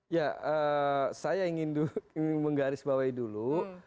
ya saya ingin menggarisbawahi dulu